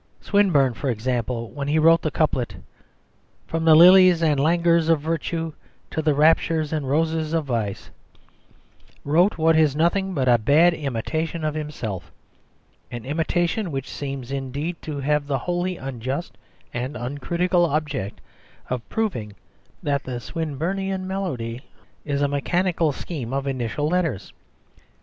Swinburne, for example, when he wrote the couplet "From the lilies and languors of virtue To the raptures and roses of vice," wrote what is nothing but a bad imitation of himself, an imitation which seems indeed to have the wholly unjust and uncritical object of proving that the Swinburnian melody is a mechanical scheme of initial letters.